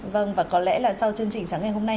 vâng và có lẽ là sau chương trình sáng ngày hôm nay